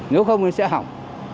nếu không thì sẽ hỏng